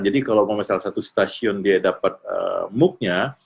jadi kalau misalnya satu stasiun dapat mooc nya